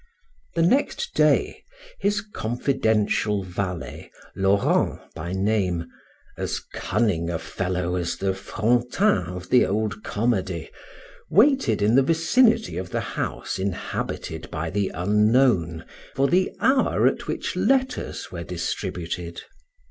The next day, his confidential valet, Laurent by name, as cunning a fellow as the Frontin of the old comedy, waited in the vicinity of the house inhabited by the unknown for the hour at which letters were distributed.